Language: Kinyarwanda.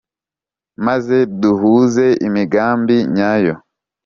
Maze duhuze imigambi nyayo